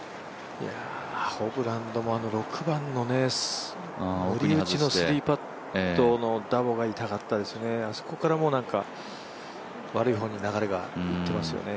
ホブランドも、あの６番のダボが痛かったですね、あそこから悪い方に流れがいってますよね。